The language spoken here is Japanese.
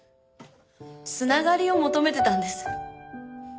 繋がりを求めてたんです。